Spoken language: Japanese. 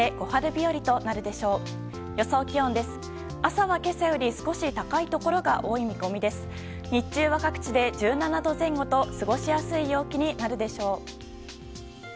日中は各地で１７度前後と過ごしやすい陽気になるでしょう。